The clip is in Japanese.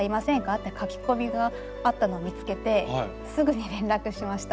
って書き込みがあったのを見つけてすぐに連絡しました。